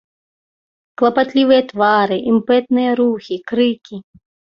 Клапатлівыя твары, імпэтныя рухі, крыкі.